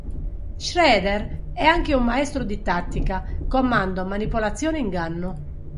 Shredder è anche un maestro di tattica, comando, manipolazione e inganno.